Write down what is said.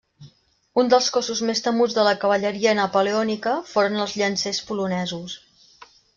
Un dels cossos més temuts de la cavalleria napoleònica foren els Llancers polonesos.